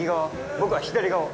僕は左側を。